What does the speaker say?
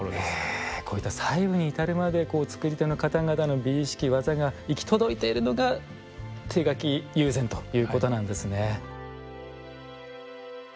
こういった細部に至るまで作り手の方々の美意識技が行き届いているのが手描き友禅ということなんですね。